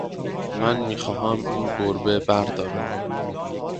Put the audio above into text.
من می خواهم این گربه بر دارم.